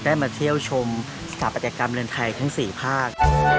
มาเที่ยวชมสถาปัตยกรรมเรือนไทยทั้ง๔ภาค